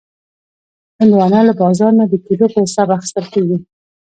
هندوانه له بازار نه د کیلو په حساب اخیستل کېږي.